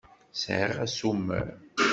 Sεiɣ asumer.